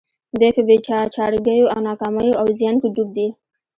دوی په بې چارګيو او ناکاميو او زيان کې ډوب دي.